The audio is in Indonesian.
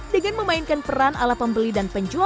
dengan memainkan peran ala pembeli dan penjual